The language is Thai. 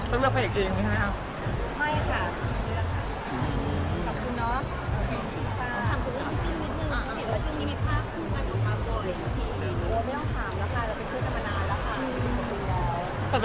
ไม่หมดเรียบร้อยแล้ว